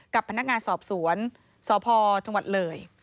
กับพนักงานสอบสวนสพจังหวัดเลย